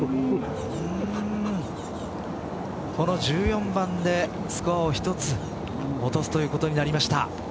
この１４番でスコアを１つ落とすということになりました。